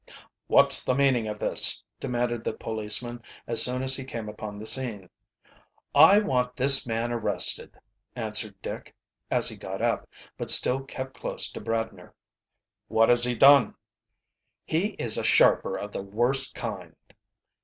"What's the meaning of this?" demanded the policeman, as soon as he came upon the scene. "I want this man arrested," answered Dick, as he got up, but still kept close to Bradner. "What has he done?" "He is a sharper of the worst kind."